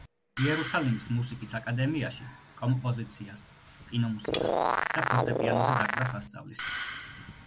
იერუსალიმის მუსიკის აკადემიაში კომპოზიციას, კინომუსიკას და ფორტეპიანოზე დაკვრას ასწავლის.